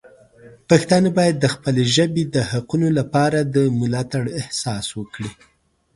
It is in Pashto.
پښتانه باید د خپلې ژبې د حقونو لپاره د ملاتړ احساس وکړي.